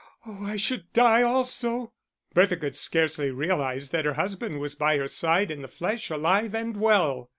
Oh, I should die also." Bertha could scarcely realise that her husband was by her side in the flesh, alive and well.